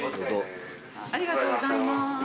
ありがとうございます。